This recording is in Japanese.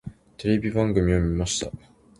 テレビの番組を見ました。